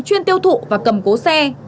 chuyên tiêu thụ và cầm cố xe